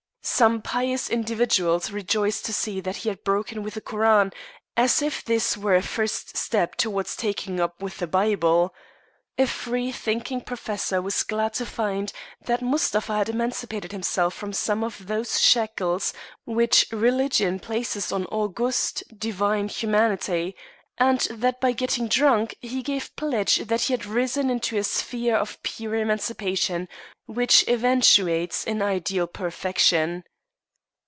Some pious individuals rejoiced to see that he had broken with the Koran, as if this were a first step towards taking up with the Bible. A free thinking professor was glad to find that Mustapha had emancipated himself from some of those shackles which religion places on august, divine humanity, and that by getting drunk he gave pledge that he had risen into a sphere of pure emancipation, which eventuates in ideal perfection.